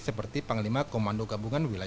seperti pengelima komando gabungan wilayah tni